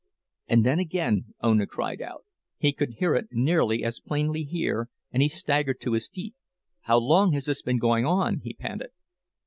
And then again Ona cried out; he could hear it nearly as plainly here, and he staggered to his feet. "How long has this been going on?" he panted.